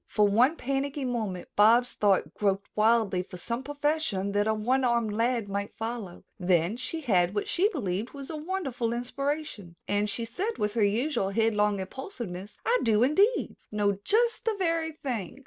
For one panicky moment Bobs' thoughts groped wildly for some profession that a one armed lad might follow, then she had what she believed was a wonderful inspiration, and she said with her usual head long impulsiveness: "I do, indeed, know just the very thing.